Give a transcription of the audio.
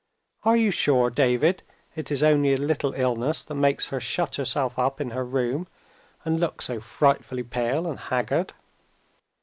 Are you sure, David, it is only a little illness that makes her shut herself up in her room, and look so frightfully pale and haggard?